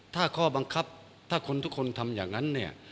ถ้าข้อบังคับถ้าคนทุกคนทำอย่างนั้นเนี่ย